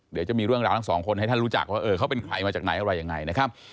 เดี๋ยวจะมีเรื่องราวทั้งสองคนให้ท่านรู้จักว่าเออเขาเป็นใครมาจากไหนอะไรยังไงนะครับ